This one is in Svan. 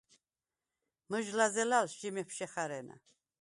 მჷჟ ლა̈ზელალს ჟი მეფშე ხა̈რენა.